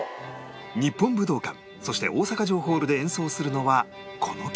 日本武道館そして大阪城ホールで演奏するのはこの曲